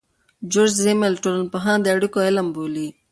جورج زیمل ټولنپوهنه د اړیکو علم بولي.